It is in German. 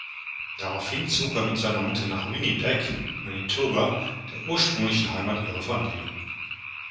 Daraufhin zog er mit seiner Mutter nach Winnipeg, Manitoba, der ursprünglichen Heimat ihrer Familie.